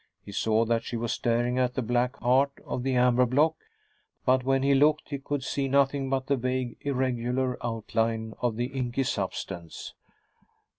He saw that she was staring at the black heart of the amber block; but when he looked he could see nothing but the vague, irregular outline of the inky substance.